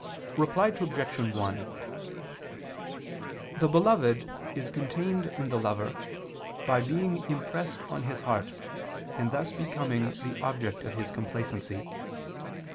Reply Obj. 1: The beloved is contained in the lover, by being impressed on his heart and thus becoming the object of his complacency.